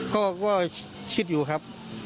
ก็คิดอยู่ครับ